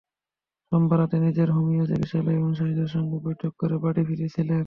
সোমবার রাতে নিজের হোমিও চিকিৎসালয়ে অনুসারীদের সঙ্গে বৈঠক করে বাড়ি ফিরছিলেন।